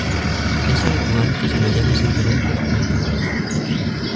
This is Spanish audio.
Es habitual que se lo llame simplemente "Mikan".